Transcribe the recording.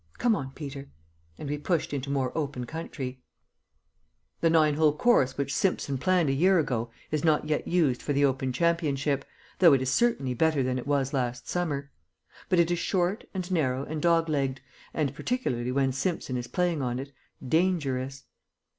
Come on, Peter." And we pushed into more open country. The 9 hole course which Simpson planned a year ago is not yet used for the Open Championship, though it is certainly better than it was last summer. But it is short and narrow and dog legged, and, particularly when Simpson is playing on it, dangerous.